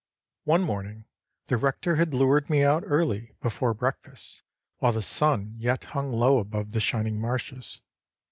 One morning the rector had lured me out early, before breakfast, while the sun yet hung low above the shining marshes.